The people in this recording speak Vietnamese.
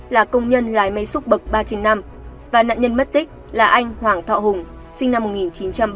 là công nhân lái máy xúc bậc ba trên năm và nạn nhân mất tích là anh hoàng thọ hùng sinh năm một nghìn chín trăm bảy mươi